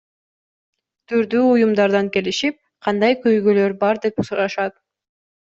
Түрдүү уюмдардан келишип, кандай көйгөйлөр бар деп сурашат.